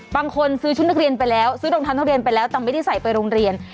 บางคนซื้อชุดนักเรียนไปแล้วซื้อรองเท้านักเรียนไปแล้วแต่ไม่ได้ใส่ไปโรงเรียน